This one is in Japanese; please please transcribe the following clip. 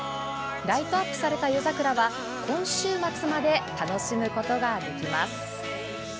ライトアップされた夜桜は今週末まで楽しむことができます。